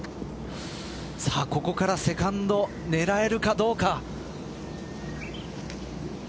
ここからセカンド狙えるかどうか。